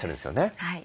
はい。